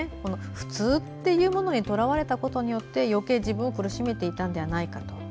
普通っていうものにとらわれたことによって余計自分を苦しめていたんではないかと。